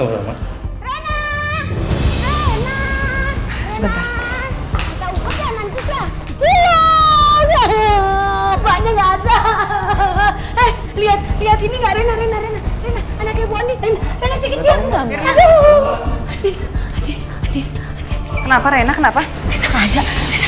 ya udah makasih ya